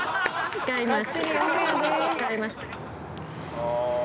使います。